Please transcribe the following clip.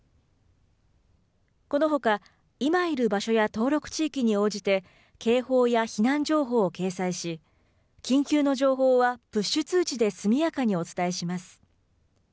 このほか今いる場所や登録地域に応じて警報や避難情報を掲載し緊急の情報はプッシュ通知で速やかにお伝えします。